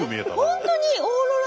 本当にオーロラ！